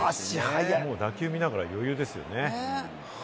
打球、見ながら余裕ですよね。